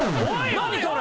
何それ。